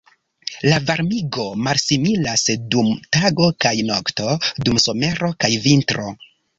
La varmigo malsimilas dum tago kaj nokto, dum somero kaj vintro.